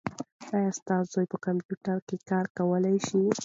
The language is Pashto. ایا ستا زوی په کمپیوټر کې کار کولای شي؟